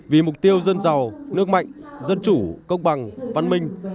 vì mục tiêu dân giàu nước mạnh dân chủ công bằng văn minh